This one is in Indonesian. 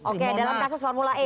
oke dalam kasus formula e